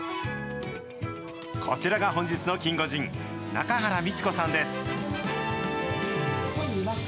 こちらが本日のキンゴジン、中原美智子さんです。